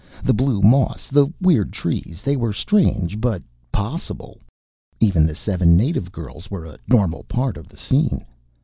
The blue moss, the weird trees; they were strange, but possible. Even the seven native girls were a normal part of the scene.